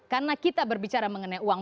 karena kita berbicara mengenai uang